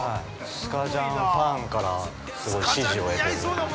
◆スカジャンファンから支持を得てる。